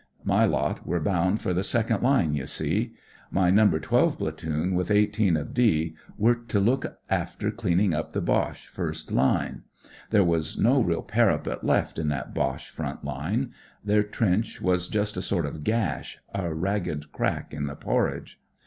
" My lot were boimd for the second line, you see. My No. 12 Platoon, with 18 of ' D,' were to look after cleaning up the Boche first line. There was no real parapet left in that Boche front line. Their trench was just a sort of gash, a ragged crack in the porridge.